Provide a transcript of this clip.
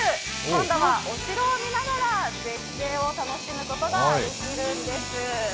今度はお城を見ながら絶景を楽しむことができるんです。